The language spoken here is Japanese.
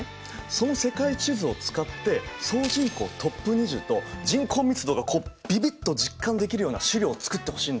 その世界地図を使って総人口トップ２０と人口密度がこうビビッと実感できるような資料を作ってほしいんだよ。